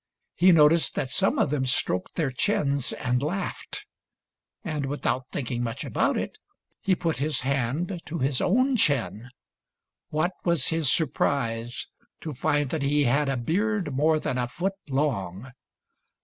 He noticed that some of them stroked their chins and laughed; and without thinking much about it, he put his hand to his own chin. What was his surprise to find that he had a beard more than a foot long